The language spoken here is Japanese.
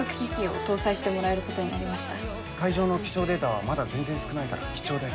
海上の気象データはまだ全然少ないから貴重だよ。